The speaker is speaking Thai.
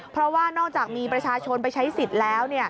เพราะว่านอกจากมีประชาชนไปใช้สิทธิ์แล้ว